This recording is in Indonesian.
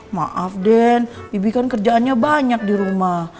maaf den bibi kan kerjaannya banyak dirumah